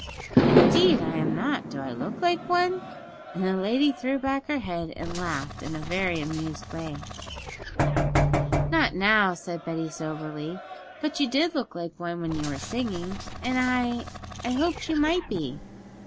'Indeed I am not; do I look like one?' And the lady threw back her head and laughed in a very amused way. 'Not now,' said Betty soberly; 'but you did look like one when you were singing, and I I hoped you might be.'